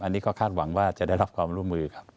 อันนี้ก็คาดหวังว่าจะได้รับความร่วมมือครับ